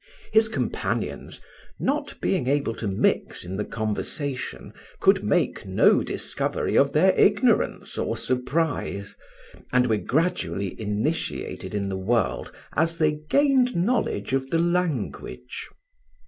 His companions, not being able to mix in the conversation, could make no discovery of their ignorance or surprise, and were gradually initiated in the world as they gained knowledge of the language.